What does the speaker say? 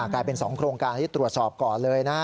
กลายเป็น๒โครงการที่ตรวจสอบก่อนเลยนะ